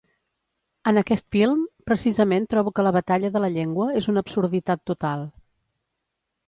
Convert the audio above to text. En aquest film precisament, trobo que la batalla de la llengua és una absurditat total.